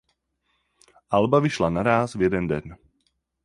Alba vyšla naráz v jeden den.